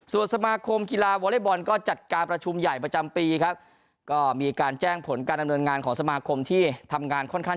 ส่วนสมาคมกีฬาวอเล็กบอลก็จัดการประชุมใหญ่ประจำปีครับก็มีการแจ้งผลการดำเนินงานของสมาคมที่ทำงานค่อนข้าง